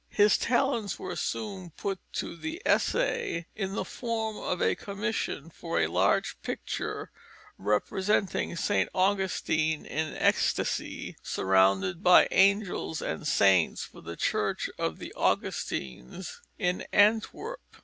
His talents were soon put to the essay in the form of a commission for a large picture representing St. Augustine in ecstasy, surrounded by angels and saints, for the Church of the Augustines in Antwerp.